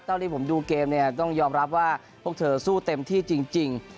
ตอนนี้ผมดูเกมต้องยอมรับว่าพวกเธอสู้เต็มที่จริง